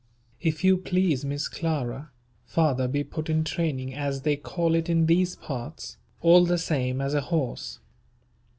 If you please, Miss Clara, father be put in training as they call it in these parts, all the same as a horse.